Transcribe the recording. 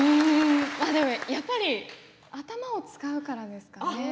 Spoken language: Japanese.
やっぱり頭を使うからですかね。